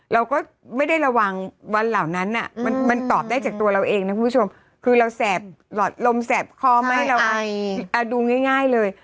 เราก็ไม่ได้ระวังวันเหล่านั้นมันตอบได้จากตัวเราเองนะคุณผู้ชมคือเราแสบหลอดลมแสบคอไหมเราดูง่ายเลย